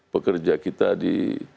pekerja kita di